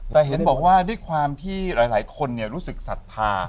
แต่เห็นว่าบางคนรู้สึกศัฒนุน